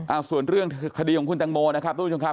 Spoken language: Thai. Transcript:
เอาส่วนเรื่องคดีของคุณตังโมนะครับทุกผู้ชมครับ